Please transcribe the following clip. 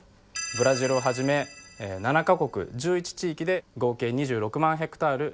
ブラジルをはじめ７か国１１地域で合計２６万ヘクタール。